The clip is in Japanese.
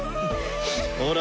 ほら。